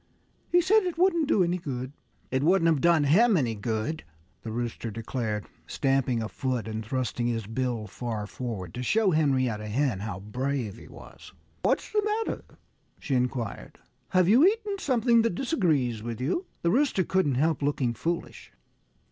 He said it wouldn't do any good." "It wouldn't have done him any good," the Rooster declared, stamping a foot and thrusting his bill far forward, to show Henrietta Hen how brave he was. "What's the matter?" she inquired. "Have you eaten something that disagrees with you?" The Rooster couldn't help looking foolish.